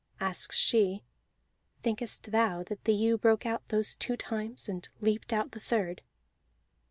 Asks she: "Thinkest thou that the ewe broke out those two times, and leaped out the third?"